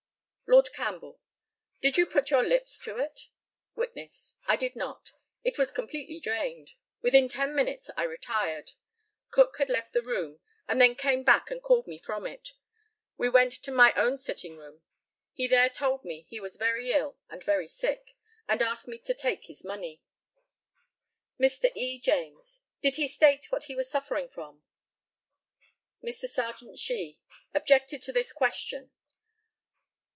Lord CAMPBELL: Did you put your lips to it? WITNESS: I did not. It was completely drained. Within ten minutes I retired. Cook had left the room, and then came back and called me from it. We went to my own sitting room. He there told me he was very ill and very sick, and asked me to take his money. Mr. E. JAMES: Did he state what he was suffering from? Mr. Serjeant SHEE objected to this question.